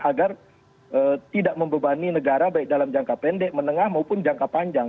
agar tidak membebani negara baik dalam jangka pendek menengah maupun jangka panjang